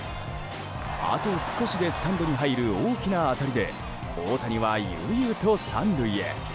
あと少しでスタンドに入る大きな当たりで大谷は悠々と３塁へ。